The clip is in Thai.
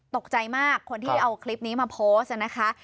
ตกใจมากคนที่เอาคลิปนี้มาโพสต์นะคะ